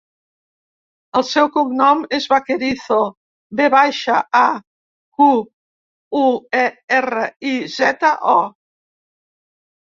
El seu cognom és Vaquerizo: ve baixa, a, cu, u, e, erra, i, zeta, o.